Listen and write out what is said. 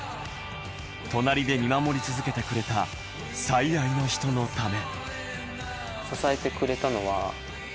隣で見守り続けてくれた最愛の人のため。